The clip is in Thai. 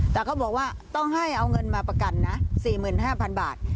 แต่เขาบอกว่าต้องให้เอาเงินมาประกันนะ๔๕๐๐๐บาท